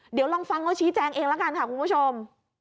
เดี๋ยวลองฟังเขาชี้แจงเองละกันค่ะคุณผู้ชม